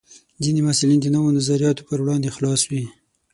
ځینې محصلین د نوو نظریاتو پر وړاندې خلاص وي.